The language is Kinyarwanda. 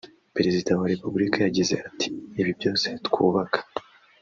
Perezida wa Repubulika yagize ati “Ibi byose twubaka